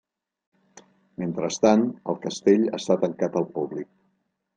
Mentrestant, el castell està tancat al públic.